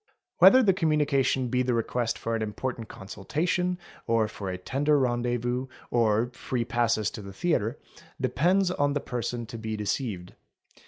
Whether the communication L be the request for an important consultation, or for a tender rendezvous, or free passes for the theatre, depends on the person to be deceived.